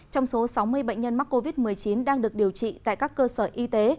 trong số sáu mươi bệnh nhân mắc covid một mươi chín đang được điều trị tại các cơ sở y tế